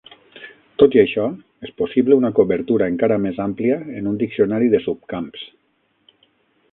Tot i això, és possible una cobertura encara més àmplia en un diccionari de subcamps.